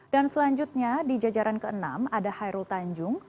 selanjutnya di jajaran ke enam ada hairul tanjung